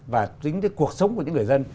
và tính tới cuộc sống của những người dân